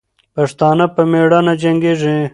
پښتانه په میړانې جنګېږي.